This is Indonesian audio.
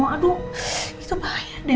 aduh itu bahaya deh